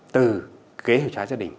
từ kế hội trái gia đình